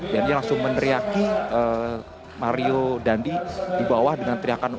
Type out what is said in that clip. dan dia langsung meneriaki mario dandwi di bawah dengan teriakan